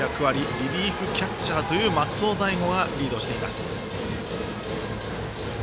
リリーフキャッチャーという松尾大悟がリードしています。